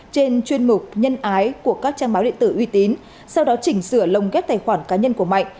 trên chuyên mục nhân ái của các trang báo điện tử uy tín sau đó chỉnh sửa lồng ghép tài khoản cá nhân của mạnh